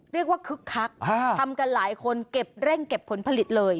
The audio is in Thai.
คึกคักทำกันหลายคนเก็บเร่งเก็บผลผลิตเลย